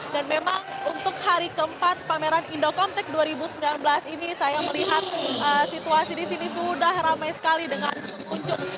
dan memang untuk hari keempat pameran indocom tektika dua ribu sembilan belas ini saya melihat situasi di sini sudah ramai sekali dengan pengunjung